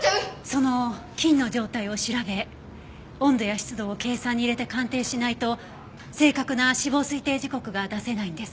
その菌の状態を調べ温度や湿度を計算に入れて鑑定しないと正確な死亡推定時刻が出せないんです。